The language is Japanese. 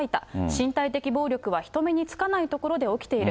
身体的暴力は人目につかないところで起きている。